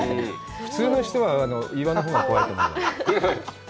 普通の人は岩のほうが怖いと思うけど。